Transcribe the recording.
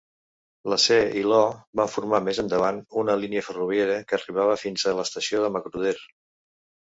La C i l'O van formar més endavant una línia ferroviària que arribava fins a l'estació de Magruder.